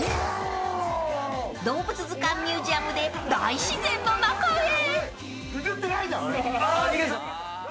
［動物図鑑ミュージアムで大自然の中へ］